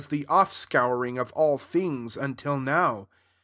the off scouring of all things, until now.